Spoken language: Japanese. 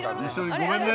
ごめんね。